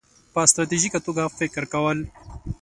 -په ستراتیژیکه توګه فکر کول